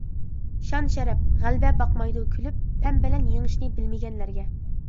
شان-شەرەپ، غەلىبە باقمايدۇ كۈلۈپ، پەم بىلەن يېڭىشنى بىلمىگەنلەرگە.